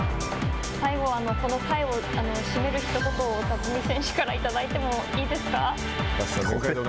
最後は、この会を締めるひと言を辰己選手からいただいてもいいですか。